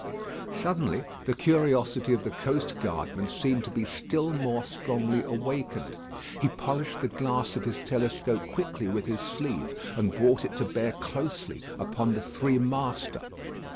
Suddenly, the curiosity of the coast guardman seemed to be still more strongly awakened. He polished the glass of his telescope quickly with his sleeve, and brought it to bear closely upon the three master.